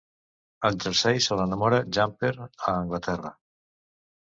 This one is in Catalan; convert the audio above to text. Al jersei se l'anomena "jumper" a Anglaterra.